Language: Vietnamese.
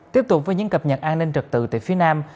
tiếp tục với những cập nhật an ninh trật tự tại phía nam